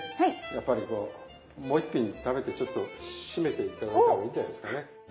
やっぱりこうもう一品食べてちょっと締めて頂いた方がいいんじゃないですかね。